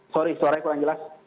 sorry suara yang kurang jelas